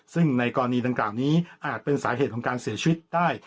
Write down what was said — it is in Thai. ซึ่งในกรณีดังกล่าวนี้อาจเป็นสาเหตุของการเสียชีวิตได้